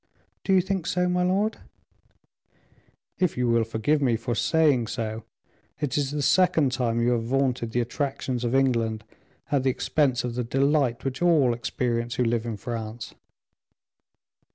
"Do you think so, my lord?" "If you will forgive me for saying so, it is the second time you have vaunted the attractions of England at the expense of the delight which all experience who live in France."